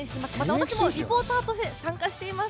私もレポーターとして、参加しています。